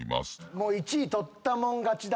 もう１位取ったもん勝ちだ。